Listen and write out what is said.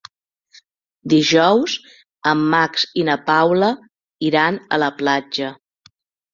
Dijous en Max i na Paula iran a la platja.